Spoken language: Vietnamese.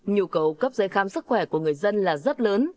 nhu cầu cấp giấy khám sức khỏe của người dân là rất lớn